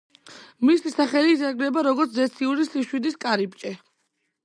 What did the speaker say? მისი სახელი ითარგმნება როგორც „ზეციური სიმშვიდის კარიბჭე“.